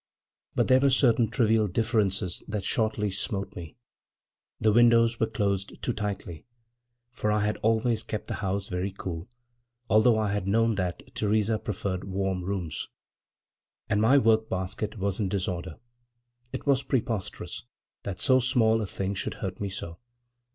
But there were certain trivial differences that shortly smote me. The windows were closed too tightly; for I had always kept the house very cool, although I had known that Theresa preferred warm rooms. And my work basket was in disorder; it was preposterous that so small a thing should hurt me so.